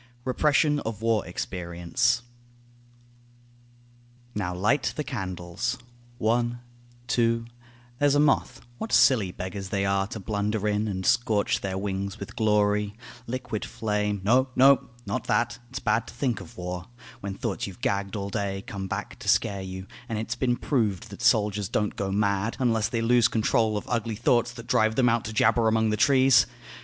REPRESSION OF WAR EXPERIENCE Now light the candles; one; two; there's a moth; What silly beggars they are to blunder in And scorch their wings with glory, liquid flame No, no, not that, it's bad to think of war, When thoughts you've gagged all day come back to scare you; And it's been proved that soldiers don't go mad Unless they lose control of ugly thoughts That drive them out to jabber among the trees.